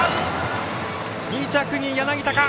２着に柳田か。